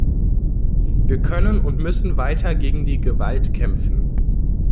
Wir können und müssen weiter gegen die Gewalt kämpfen.